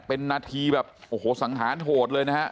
เป็นนาทีแบบโอ้โหสังหารโหดเลยนะฮะ